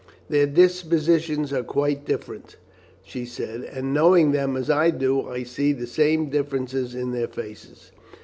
"Their dispositions are quite different," she said, "and knowing them as I do, I see the same differences in their faces."